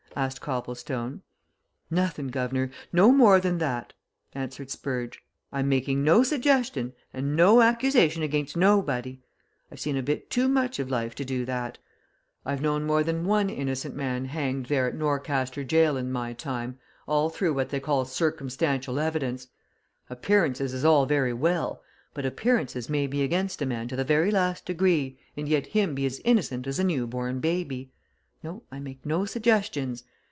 asked Copplestone. "Nothing, guv'nor no more than that," answered Spurge. "I'm making no suggestion and no accusation against nobody. I've seen a bit too much of life to do that. I've known more than one innocent man hanged there at Norcaster Gaol in my time all through what they call circumstantial evidence. Appearances is all very well but appearances may be against a man to the very last degree, and yet him be as innocent as a new born baby! No I make no suggestions.